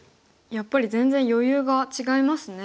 やっぱり全然余裕が違いますね。